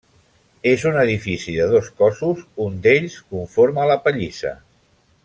És un edifici de dos cossos, un d'ells conforma la pallissa.